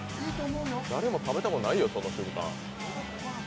誰も食べたことないよ、その瞬間。